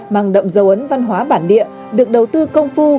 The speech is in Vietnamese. mang đậm dấu ấn văn hóa bản địa được đầu tư công phu